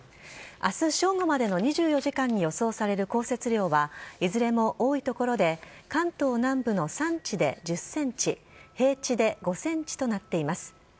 明日正午までの２４時間に予想される降雪量はいずれも多い所で関東南部の山地で１０ｃｍ平地で５ｃｍとなっています。